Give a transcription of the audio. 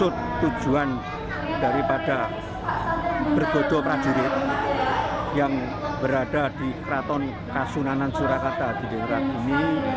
tujuan daripada bergodoh prajurit yang berada di keraton kasunanan surakata di daerah ini